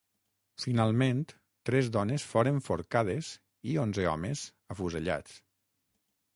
Finalment tres dones foren forcades i onze homes afusellats.